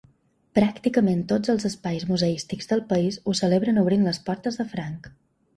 Pràcticament tots els espais museístics del país ho celebren obrint les portes de franc.